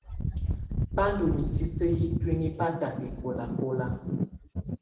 Bá ndù misisi yɛ tuinyii bata bɛkɔlakɔla.